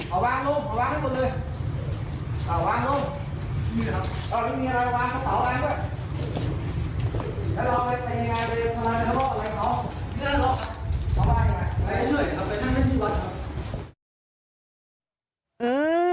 เอาไงเอาไงเอาไง